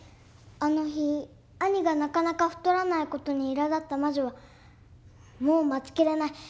あの日兄がなかなか太らない事にいらだった魔女は「もう待ちきれない！